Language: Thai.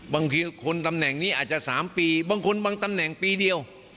บางทีคนตำแหน่งนี้อาจจะ๓ปีบางคนบางตำแหน่งปีเดียว